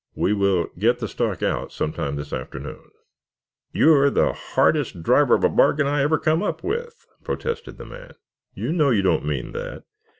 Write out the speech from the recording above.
We will get the stock out some time this afternoon." "You're the hardest driver of a bargain I ever come up with," protested the man. "You know you don't mean that.